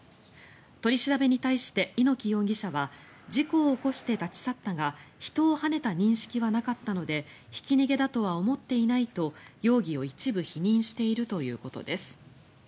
取り調べに対して、猪木容疑者は事故を起こして立ち去ったが人をはねた認識はなかったのでひき逃げだとは思っていないと容疑を一部否認しているということです。